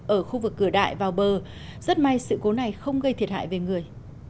ở khu vực cửa đại vào bờ rất may sự cố này không gây thiệt hại về người